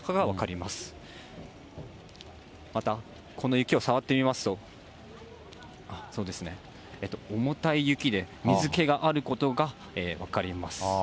また、この雪を触ってみますと、そうですね、重たい雪で、水けがあることが分かります。